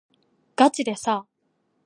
がちでさ